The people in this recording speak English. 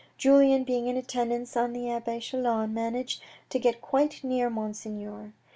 Julien being in attendance on the abbe Chelan managed to get quite near Monseigneur.